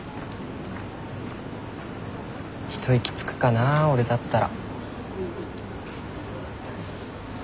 一息つくかな俺だったら。